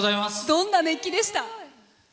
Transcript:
どんな熱気でした？